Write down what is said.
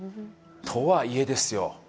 とはいえですよ